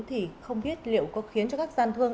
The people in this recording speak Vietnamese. thì không biết liệu có khiến cho các gian thương